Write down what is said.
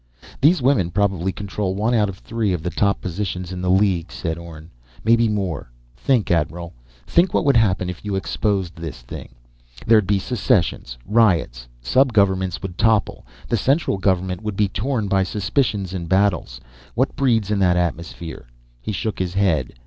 "These women probably control one out of three of the top positions in the League," said Orne. "Maybe more. Think, admiral ... think what would happen if you exposed this thing. There'd be secessions, riots, sub governments would topple, the central government would be torn by suspicions and battles. What breeds in that atmosphere?" He shook his head.